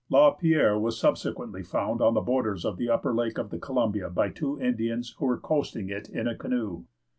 La Pierre was subsequently found on the borders of the upper lake of the Columbia by two Indians who were coasting it in a canoe.